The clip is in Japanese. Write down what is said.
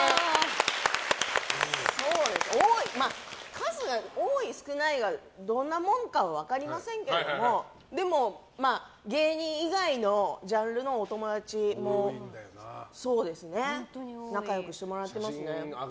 数が多い、少ないかはどんなもんか分かりませんけどでも芸人以外のジャンルのお友達も仲良くしてもらってますね。